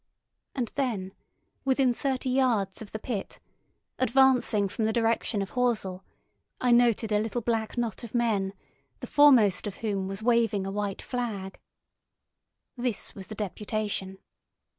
And then, within thirty yards of the pit, advancing from the direction of Horsell, I noted a little black knot of men, the foremost of whom was waving a white flag. This was the Deputation.